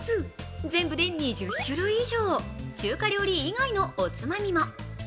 全部で２０種類以上中華料理以外のおつまみも。